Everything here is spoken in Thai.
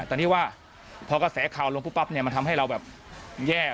แต่นี่ว่าพอกระแสขาวลงปุ๊บปั๊บมันทำให้เราแย่